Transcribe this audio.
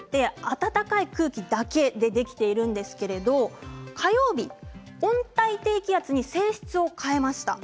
台風というのは暖かい空気だけでできているんですけれど火曜日に温帯低気圧に性質を変えました。